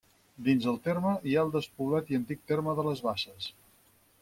Dins el terme hi ha el despoblat i antic terme de les Besses.